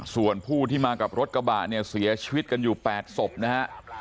ส่วนผู้ที่มากับรถกระบะเนี่ยเสียชีวิตกันอยู่๘ศพนะฮะ